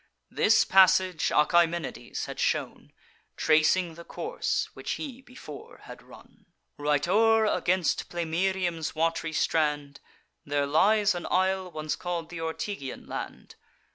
This passage Achaemenides had shown, Tracing the course which he before had run. "Right o'er against Plemmyrium's wat'ry strand, There lies an isle once call'd th' Ortygian land.